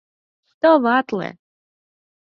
Товатле!